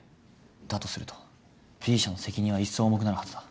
だとするとＢ社の責任はいっそう重くなるはずだ。